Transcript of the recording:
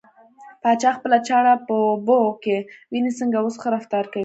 پاچا خپله چاړه په اوبو کې وينې ځکه اوس ښه رفتار کوي .